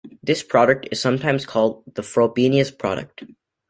This product is sometimes called the "Frobenius product".